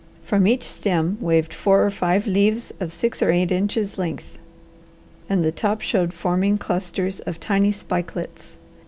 From each stem waved four or five leaves of six or eight inches length and the top showed forming clusters of tiny spikelets.